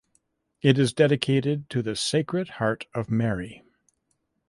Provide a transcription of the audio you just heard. It is dedicated to the Sacred Heart of Mary.